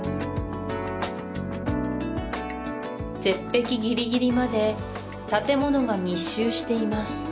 絶壁ギリギリまで建物が密集しています